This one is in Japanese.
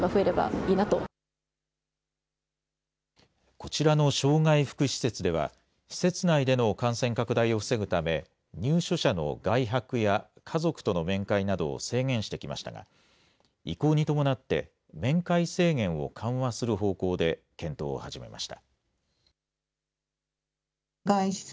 こちらの障害福祉施設では、施設内での感染拡大を防ぐため、入所者の外泊や家族との面会などを制限してきましたが、移行に伴って、面会制限を緩和する方向で検討を始めました。